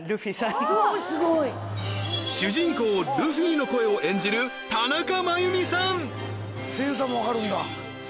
うおっすごい主人公・ルフィの声を演じる田中真弓さん